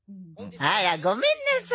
あらごめんなさい。